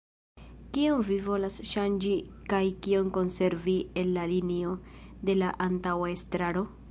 Kion vi volas ŝanĝi kaj kion konservi el la linio de la antaŭa estraro?